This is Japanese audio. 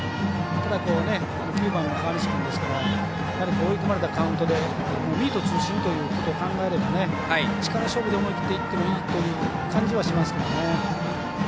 ただ、９番の川西君なので追い込まれたカウントでミート中心ということを考えれば力勝負で考えていってもいいとそのような感じはしますけど。